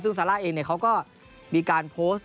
ซึ่งซาร่าเองเนี่ยเขาก็มีการโพสต์นะครับ